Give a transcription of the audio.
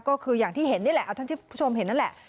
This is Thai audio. ก็คืออย่างที่เห็นนี่แหละเอาท่านที่คุณผู้ชมเห็นนั่นแหละ